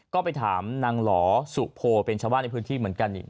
ก็ไปถามนางหล่อสุโพเป็นชาวบ้านในพื้นที่เหมือนกันอีก